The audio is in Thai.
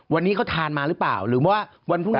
วันนี้เขาทานมาหรือเปล่าหรือว่าวันพรุ่งนี้